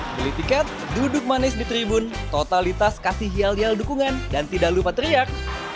beli tiket duduk manis di tribun totalitas kasih yel yel dukungan dan tidak lupa teriak